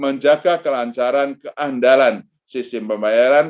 menjaga kelancaran keandalan sistem pembayaran